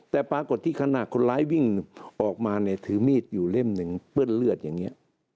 แต่ปรากฏที่ขณะคนร้ายวิ่งออกมาเนี่ยถือมีดอยู่เล่มหนึ่งเปื้อนเลือดอย่างนี้